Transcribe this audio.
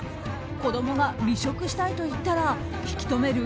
子供が離職したいと言ったら引き止める？